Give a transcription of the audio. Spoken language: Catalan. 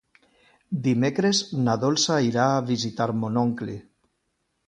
Dimecres na Dolça irà a visitar mon oncle.